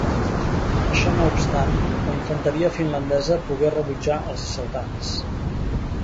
Això no obstant, la infanteria finlandesa pogué rebutjar els assaltants.